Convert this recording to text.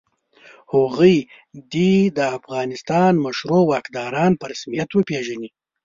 هغوی دې د افغانستان مشروع واکداران په رسمیت وپېژني.